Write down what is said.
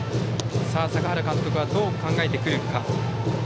坂原監督はどう考えてくるか。